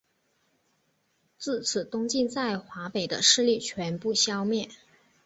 至此东晋在华北的势力全部消灭。